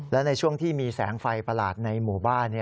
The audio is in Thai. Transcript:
และในช่วงที่มีแสงไฟประหลาดในหมู่บ้าน